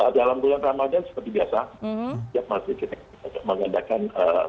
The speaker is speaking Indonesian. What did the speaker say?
dalam bulan ramadhan seperti biasa setiap masjid kita mengadakan